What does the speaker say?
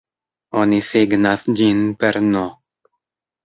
Oni signas ĝin per "n!